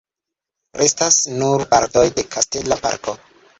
Restas nur partoj de kastela parko.